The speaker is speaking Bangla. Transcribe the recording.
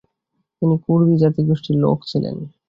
তিনি কুর্দি জাতিগোষ্ঠীর লোক ছিলেন।